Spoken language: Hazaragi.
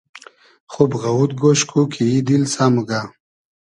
خوب غئوود گۉش کو کی ای دیل سۂ موگۂ